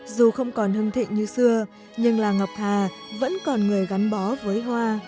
dù không còn hưng thịnh như xưa nhưng là ngọc hà vẫn còn người gắn bó với hoa